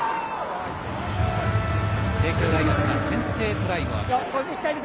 帝京大学が先制トライを挙げます。